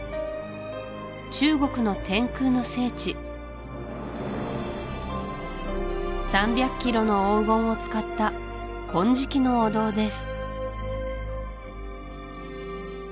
中国の天空の聖地３００ｋｇの黄金を使った金色のお堂です